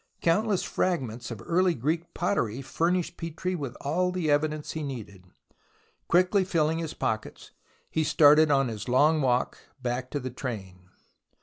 Countless fragments of early Greek pottery furnished Petrie with all the evidence he needed. Quickly filling his pockets, he started on his long walk back to the train.